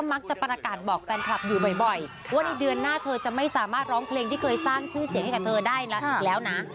ว่าในเดือนหน้าเธอจะไม่สามารถร้องเพลงที่เคยสร้างชื่อเสียงให้กับเธอได้แล้วนะ